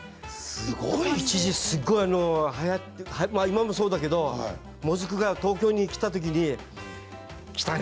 一時、すごいはやって今もそうだけどもずくが東京に来たときに来たね。